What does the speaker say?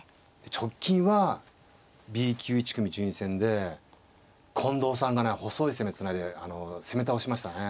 直近はＢ級１組順位戦で近藤さんがね細い攻めつないで攻め倒しましたね。